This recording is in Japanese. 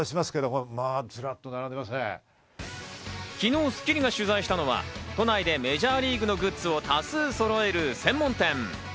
昨日『スッキリ』が取材したのは都内でメジャーリーグのグッズを多数そろえる専門店。